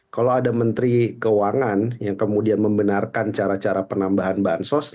kalau ada menteri keuangan yang kemudian membenarkan cara cara penambahan bansos